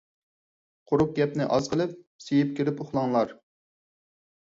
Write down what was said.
قۇرۇق گەپنى ئاز قىلىپ، سىيىپ كىرىپ ئۇخلاڭلار.